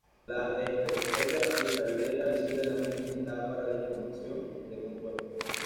La espectroscopia ultravioleta-visible es la más limitada para la información de compuestos.